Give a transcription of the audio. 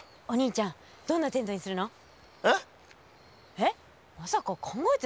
えっまさか考えてないの？